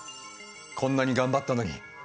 こんなに頑張ったのに。